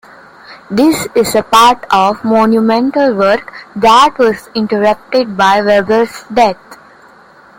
This is part of a monumental work that was interrupted by Weber's death.